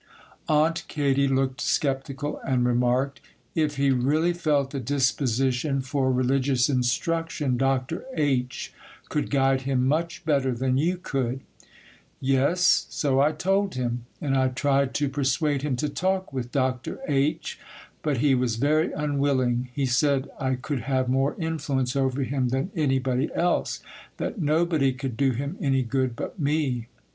Aunt Katy looked sceptical, and remarked,—'If he really felt a disposition for religious instruction, Dr. H. could guide him much better than you could.' 'Yes,—so I told him, and I tried to persuade him to talk with Dr. H.; but he was very unwilling. He said, I could have more influence over him than anybody else,—that nobody could do him any good but me.